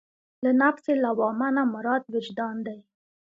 له نفس لوامه نه مراد وجدان دی.